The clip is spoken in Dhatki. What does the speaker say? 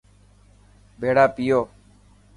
ڀيڙا پيو